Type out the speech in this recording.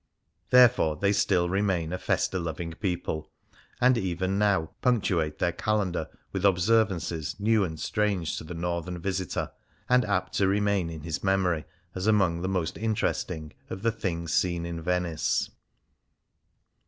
Therefore they still remain a y^^^^rt loving people, and even now punctuate their calendar with observances 113 H Things Seen in Venice new and strange to the Northern visitor, and apt to remain in his memory as among the most interesting of the " things seen in Venice."